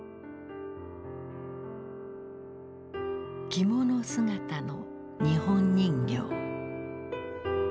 着物姿の日本人形。